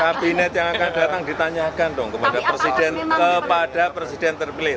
kabinet yang akan datang ditanyakan dong kepada presiden kepada presiden terpilih